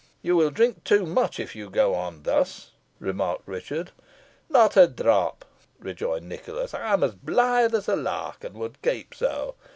"You will drink too much if you go on thus," remarked Richard. "Not a drop," rejoined Nicholas. "I am blithe as a lark, and would keep so.